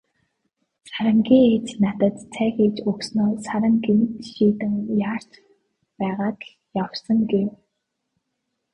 Сарангийн ээж надад цай хийж өгснөө "Саран гэнэт шийдэн яарч байгаад л явсан" гэв.